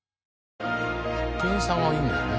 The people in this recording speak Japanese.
店員さんはいんねやね。